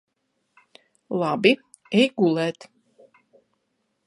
Labi. Ej gulēt.